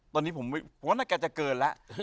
ตอนนี้ผมว่าแกจะเกินแล้ว